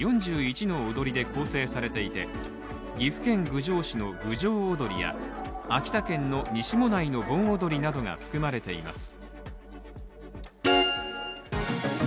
４１の踊りで構成されていて岐阜県郡上市の郡上踊や秋田県の西馬音内の盆踊りなどが含まれています。